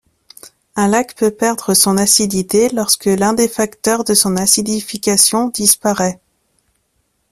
Un lac peut perdre son acidité lorsque l'un des facteurs de son acidification disparait.